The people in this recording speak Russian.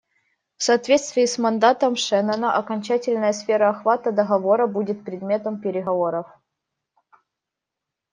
В соответствии с мандатом Шеннона окончательная сфера охвата договора будет предметом переговоров.